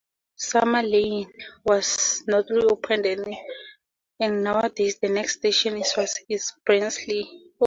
Summer Lane was not reopened, and nowadays the next station eastwards is Barnsley.